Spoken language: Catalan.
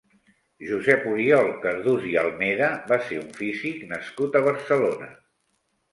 Josep Oriol Cardús i Almeda va ser un físic nascut a Barcelona.